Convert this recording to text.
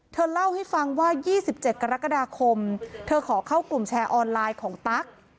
เธอเล่าให้ฟังว่า๒๗กรกฎาคมเธอขอเข้ากลุ่มแชร์ออนไลน์ของตั๊ก